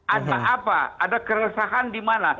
ada apa ada keresahan di mana